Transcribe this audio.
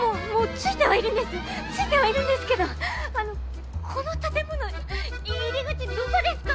着いてはいるんですけどあのこの建物入口どこですか？